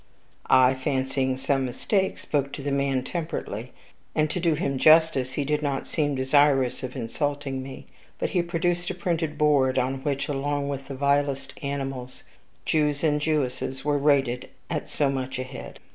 I, fancying some mistake, spoke to the man temperately, and, to do him justice, he did not seem desirous of insulting us; but he produced a printed board, on which, along with the vilest animals, Jews and Jewesses were rated at so much a head.